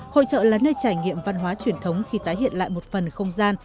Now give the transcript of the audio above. hội trợ là nơi trải nghiệm văn hóa truyền thống khi tái hiện lại một phần không gian